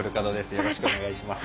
よろしくお願いします。